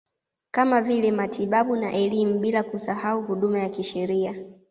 Kama vile matibabu na elimu bila kusahau huduma ya kisheria